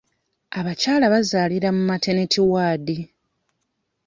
Abakyala bazaalira mu mateniti waadi.